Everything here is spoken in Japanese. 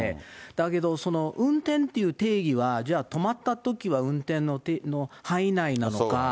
だけど運転という定義は、じゃあ、止まったときは運転の範囲内なのか。